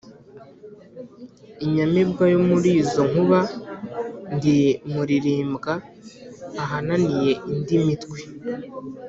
Inyamibwa yo muli izo nkuba, ndi rulirimbwa ahananiye indi mitwe.